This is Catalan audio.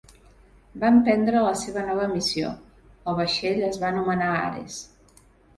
En emprendre la seva nova missió, el vaixell es va anomenar "Ares".